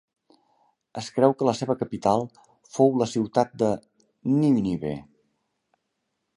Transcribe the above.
Es creu que la seva capital fou la ciutat de Nínive.